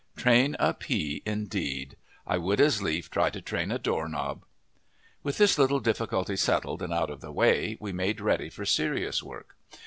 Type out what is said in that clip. Train a pea, indeed! I would as lief try to train a doorknob! With this little difficulty settled and out of the way, we made ready for serious work.